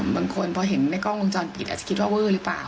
บางคนพอเห็นในกล้องวงจรปิดอาจจะคิดว่าเวอร์หรือเปล่า